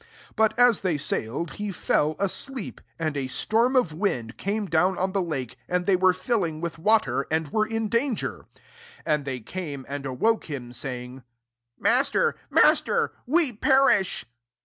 But as they sailed, he fell asleep : and a storm of wind came down on the lake; and they were filling vfith watery and were in danger. 24 And they came, and awoke him, saying, " Master, master, we perish.'